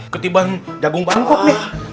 ketiban jagung pangkuk nih